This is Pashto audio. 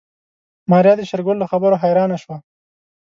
ماريا د شېرګل له خبرو حيرانه شوه.